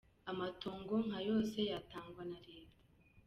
"Amatongo nka yose yatangwa na reta.